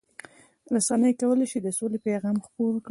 رسنۍ کولای شي د سولې پیغام خپور کړي.